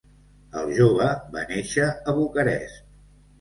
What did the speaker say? El jove va néixer a Bucarest.